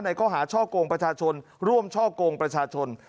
ข้อหาช่อกงประชาชนร่วมช่อกงประชาชน